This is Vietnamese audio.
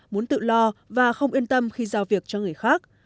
muốn tự lo và không yên tâm khi giao việc cho người khác